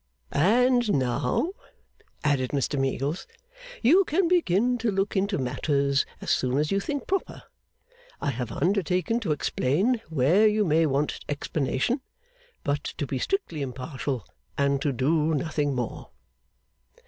'And now,' added Mr Meagles, 'you can begin to look into matters as soon as you think proper. I have undertaken to explain where you may want explanation, but to be strictly impartial, and to do nothing more.